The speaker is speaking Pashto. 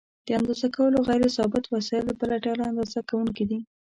د اندازه کولو غیر ثابت وسایل بله ډله اندازه کوونکي دي.